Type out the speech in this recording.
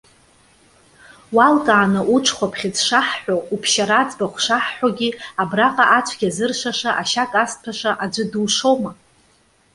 Уалкааны уҽхәаԥхьыӡ шаҳҳәо, уԥшьара аӡбахә шаҳҳәогьы, абраҟа ацәгьа зыршаша, ашьа казҭәаша аӡәы душома?